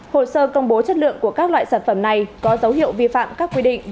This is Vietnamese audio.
hồ sơ công bố chất lượng của các loại sản phẩm này có dấu hiệu vi phạm các quy định